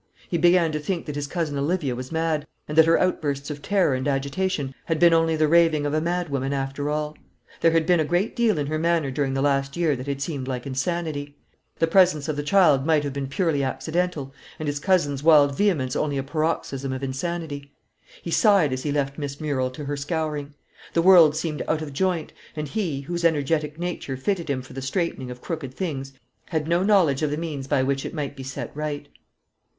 He began to think that his cousin Olivia was mad, and that her outbursts of terror and agitation had been only the raving of a mad woman, after all. There had been a great deal in her manner during the last year that had seemed like insanity. The presence of the child might have been purely accidental; and his cousin's wild vehemence only a paroxysm of insanity. He sighed as he left Miss Murrel to her scouring. The world seemed out of joint; and he, whose energetic nature fitted him for the straightening of crooked things, had no knowledge of the means by which it might be set right.